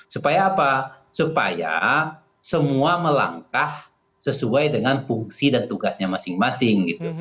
supaya apa supaya semua melangkah sesuai dengan fungsi dan tugasnya masing masing